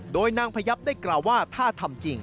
โดยนางพยับได้กล่าวว่าถ้าทำจริง